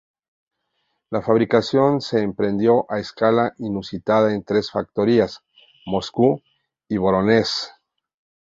La fabricación se emprendió a escala inusitada en tres factorías: Moscú, y Vorónezh.